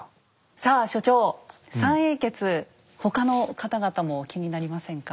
さあ所長三英傑他の方々も気になりませんか？